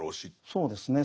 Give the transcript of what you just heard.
そうですね。